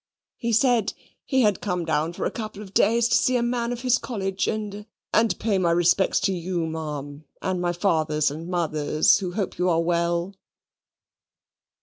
He said "he had come down for a couple of days to see a man of his college, and and to pay my respects to you, Ma'am, and my father's and mother's, who hope you are well."